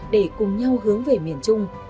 để cùng nhau hướng về miền trung